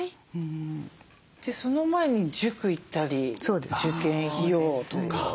その前に塾行ったり受験費用とか。